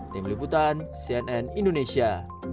tim liputan cnn indonesia